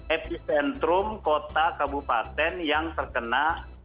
epicentrum kota kabupaten yang terkena